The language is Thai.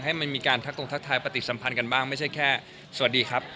ให้มันมีการทักตรงทักทายปฏิสัมพันธ์กันบ้างไม่ใช่แค่สวัสดีครับ